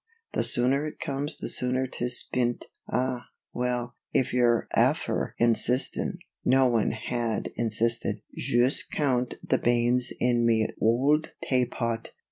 The sooner it comes the sooner 'tis spint. Ah, well, if you're afther insistin' [no one had insisted] joost count the banes in me owld taypot.